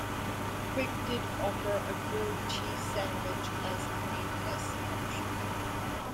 Quick did offer a grilled cheese sandwich as a meatless option.